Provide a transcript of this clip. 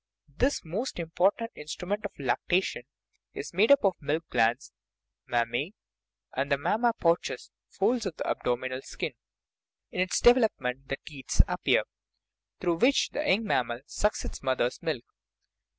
This important instrument of lactation is made up of milk glands (mammae) and the " mammar pouches " (folds of the abdominal skin) ; in its development the teats appear, through which the young mammal sucks its mother's milk.